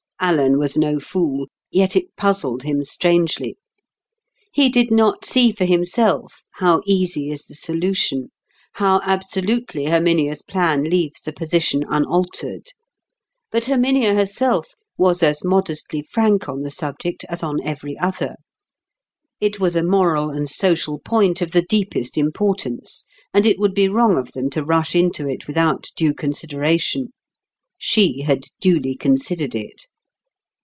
Alan was no fool, yet it puzzled him strangely. He did not see for himself how easy is the solution; how absolutely Herminia's plan leaves the position unaltered. But Herminia herself was as modestly frank on the subject as on every other. It was a moral and social point of the deepest importance; and it would be wrong of them to rush into it without due consideration. She had duly considered it.